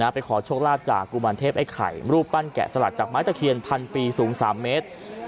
ไปขอโชคลาภจากกุมารเทพไอ้ไข่รูปปั้นแกะสลักจากไม้ตะเคียนพันปีสูง๓เมตร